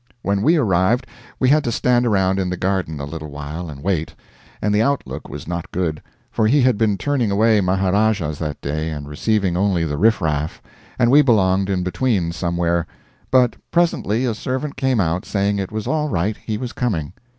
When we arrived we had to stand around in the garden a little while and wait, and the outlook was not good, for he had been turning away Maharajas that day and receiving only the riff raff, and we belonged in between, somewhere. But presently, a servant came out saying it was all right, he was coming.